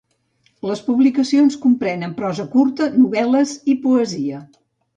Les publicacions comprenen prosa curta, novel·les i poesia.